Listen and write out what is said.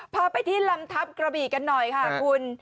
พาไปที่ลำทัพกระบี่กันหน่อยค่ะคุณ